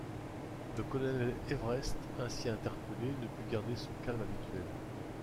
Le colonel Everest, ainsi interpellé, ne put garder son calme habituel.